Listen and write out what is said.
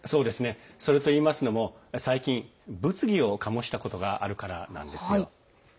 それといいますのも最近、物議を醸したことがあるからなんです。